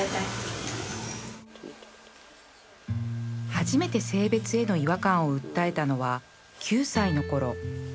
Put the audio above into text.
初めて性別への違和感を訴えたのは９歳のころ